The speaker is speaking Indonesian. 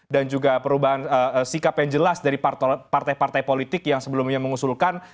dan juga perubahan sikap yang jelas dari partai partai politik yang sebelumnya mengusulkan